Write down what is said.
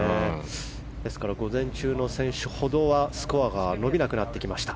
ですから午前中の選手ほどはスコアが伸びなくなってきました。